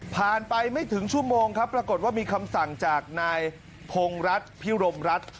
ไปไม่ถึงชั่วโมงครับปรากฏว่ามีคำสั่งจากนายพงรัฐพิรมรัฐ